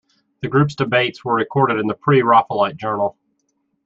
The group's debates were recorded in the "Pre-Raphaelite Journal".